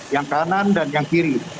yang kanan dan yang kiri